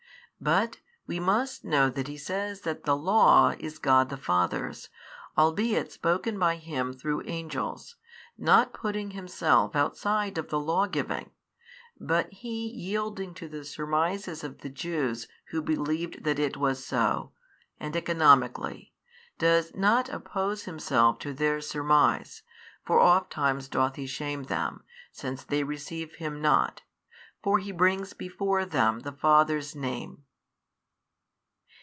But we must know that He saya that the Law is God the Father's, albeit spoken by Him through Angels 29, not |637 putting Himself outside of the law giving, but He yielding to the surmises of the Jews who believed that it was so, and economically, does not oppose Himself to their surmise, for ofttimes doth He shame them, since they receive Him not, for He brings before them the Father's Name.